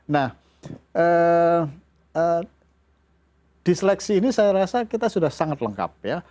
nah di seleksi ini saya rasa kita sudah sangat lengkap ya